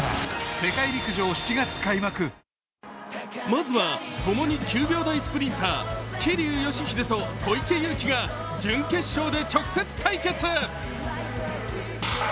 まずはともに９秒台スプリンター桐生祥秀と小池祐貴が準決勝で直接対決。